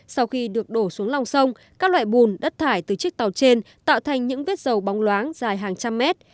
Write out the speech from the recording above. sau khi được đổ xuống lòng sông các loại bùn đất thải từ chiếc tàu trên tạo thành những vết dầu bóng loáng dài hàng trăm mét